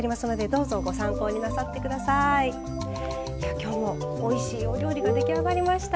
今日もおいしいお料理が出来上がりました。